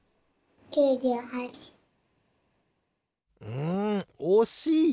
うんおしい！